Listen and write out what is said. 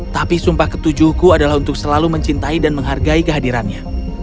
tapi sumpah ketujuhku adalah untuk selalu mencintai dan menghargai kehadirannya